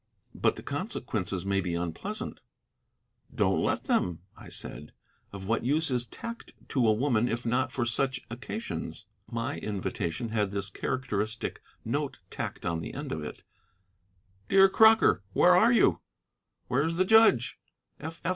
"But the consequences may be unpleasant." "Don't let them," I said. "Of what use is tact to a woman if not for just such occasions?" My invitation had this characteristic note tacked on the end of it "DEAR CROCKER: Where are you? Where is the judge?